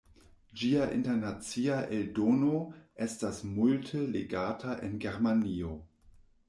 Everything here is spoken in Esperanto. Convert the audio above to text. Ĝia internacia eldono estas multe legata en Germanio.